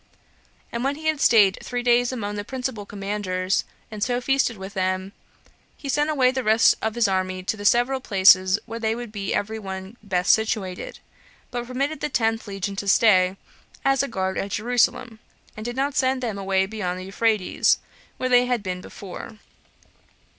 And when he had staid three days among the principal commanders, and so long feasted with them, he sent away the rest of his army to the several places where they would be every one best situated; but permitted the tenth legion to stay, as a guard at Jerusalem, and did not send them away beyond Euphrates, where they had been before.